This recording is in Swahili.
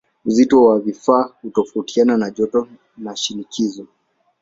Uzito wa vifaa hutofautiana na joto na shinikizo.